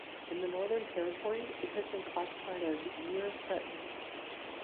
In the Northern Territory it has been classified as "Near threatened".